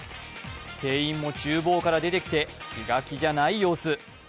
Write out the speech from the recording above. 店員もちゅう房から出てきて気が気じゃない様子。